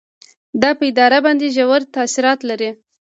دا په اداره باندې ژور تاثیرات لري.